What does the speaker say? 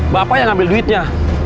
bapak yang ambil duitnya